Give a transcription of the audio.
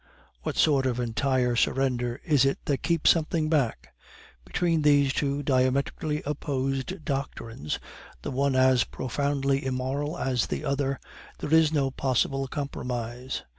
What sort of entire surrender is it that keeps something back? Between these two diametrically opposed doctrines, the one as profoundly immoral as the other, there is no possible compromise.